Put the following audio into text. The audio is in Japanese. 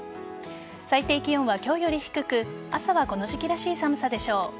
最低気温は今日より低く朝はこの時期らしい寒さでしょう。